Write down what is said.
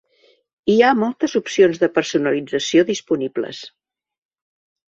Hi ha moltes opcions de personalització disponibles.